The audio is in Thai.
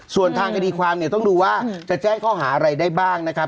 ส่วนทางคดีความเนี่ยต้องดูว่าจะแจ้งข้อหาอะไรได้บ้างนะครับ